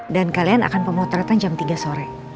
dan kalian akan pemotretan jam tiga sore